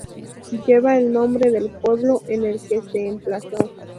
Lleva el nombre del pueblo en el que se emplazó.